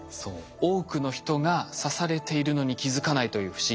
多くの人が刺されているのに気付かないという不思議。